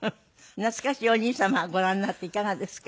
懐かしいお兄様ご覧になっていかがですか？